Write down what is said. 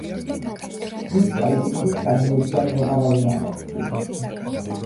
იმ საიდუმლოს ამიერიდან ვეღარავინ ამოხსნის .